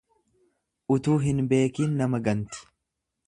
Utuu hin beekiin nama ganti.